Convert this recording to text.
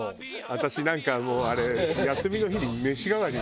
私なんかもうあれ休みの日にメシ代わりに。